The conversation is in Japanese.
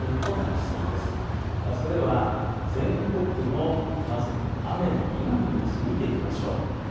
それでは全国の雨の今の様子を見ていきましょう。